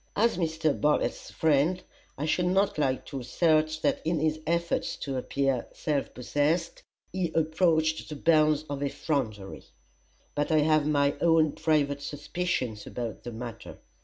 As Mr. Bartlett's friend, I should not like to assert that in his efforts to appear self possessed he approached the bounds of effrontery; but I have my own private suspicions about the matter.